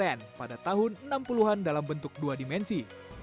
ini adalah video mapping yang terkait dengan perubahan dalam bentuk dua dimensi